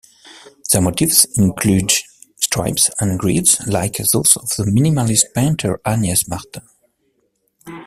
Their motifs include stripes and grids like those of the Minimalist painter Agnes Martin.